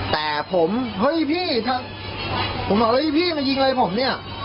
แต่ผมเฮ้ยพี่ถ้าผมบอกแล้วพี่พี่มายิงเลยผมเนี่ย